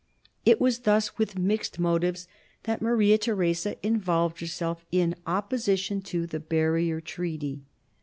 It was thus with mixed motives that Maria Theresa involved herself in opposition to the Barrier Treaty.